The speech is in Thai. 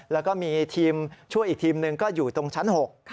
แล้วก็มีทีมช่วยอีกทีมหนึ่งก็อยู่ตรงชั้น๖